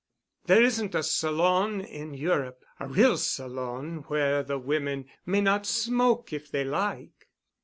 There isn't a salon in Europe—a real salon—where the women may not smoke if they like."